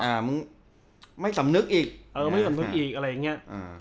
มึงไม่สำนึกอีกเออไม่สำนึกอีกอะไรอย่างเงี้ยอ่า